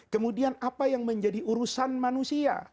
kemudian apa yang menjadi urusan manusia